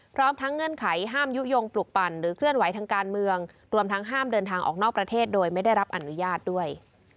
พร้อมทั้งเงื่อนไขห้ามยุโยงปลุกปั่นหรือเคลื่อนไหวทางการเมืองรวมทั้งห้ามเดินทางออกนอกประเทศโดยไม่ได้รับอนุญาตด้วย